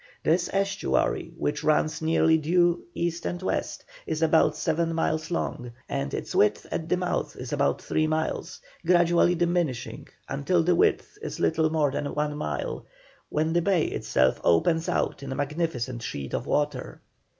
This estuary, which runs nearly due east and west, is about seven miles long, and its width at the mouth is about three miles, gradually diminishing until the width is little more than one mile, when the bay itself opens out in a magnificent sheet of water.